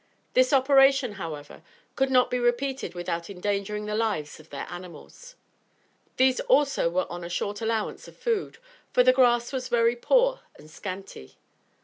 This operation, however could not be repeated without endangering the lives of their animals. These also were on a short allowance of food, for the grass was very poor and scanty.